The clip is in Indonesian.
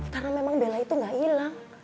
karena memang bella itu gak hilang